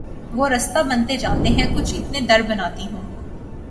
وہ رستہ بنتے جاتے ہیں کچھ اتنے در بناتی ہوں